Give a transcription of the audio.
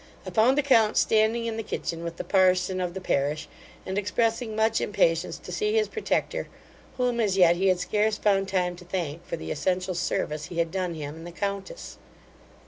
I found the count standing in the kitchen with the parson of the parish, and expressing much impatience to see his protector, whom as yet he had scarce found time to thank for the essential service he had done him and the countess.